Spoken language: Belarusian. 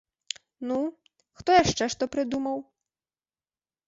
Ну, хто яшчэ што прыдумаў?